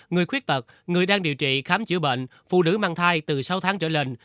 người khuyết tật người đang điều trị khám chữa bệnh phụ nữ mang thai từ sáu tháng trở lên